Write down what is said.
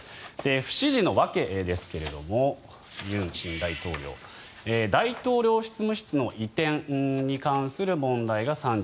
不支持の訳ですが尹新大統領大統領執務室の移転に関する問題が３２％